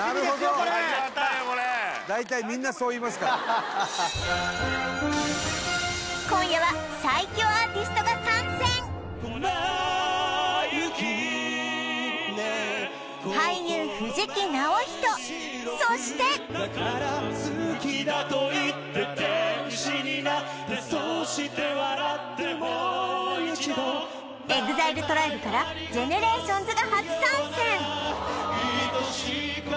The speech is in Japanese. これ言っちゃった大体みんなそう言いますから今夜はそしてＥＸＩＬＥＴＲＩＢＥからＧＥＮＥＲＡＴＩＯＮＳが初参戦！